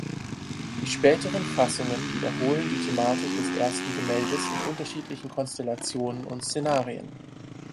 Die späteren Fassungen wiederholen die Thematik des ersten Gemäldes in unterschiedlichen Konstellationen und Szenerien.